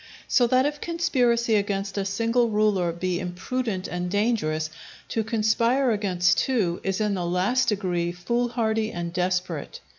So that if conspiracy against a single ruler be imprudent and dangerous, to conspire against two, is in the last degree fool hardy and desperate.